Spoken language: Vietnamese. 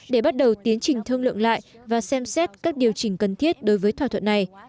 để bắt đầu tiến trình thương lượng lại và xem xét các điều chỉnh cần thiết đối với thỏa thuận này